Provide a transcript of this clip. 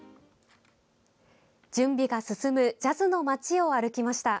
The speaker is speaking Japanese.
準備が進むジャズの街を歩きました。